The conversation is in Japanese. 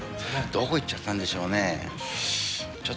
どこ行っちゃったんでしょう